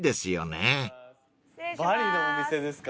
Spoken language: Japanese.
バリのお店ですか？